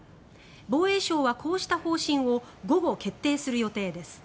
防衛省はこうした方針を午後、決定する予定です。